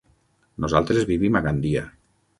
Nosaltres vivim a Gandia.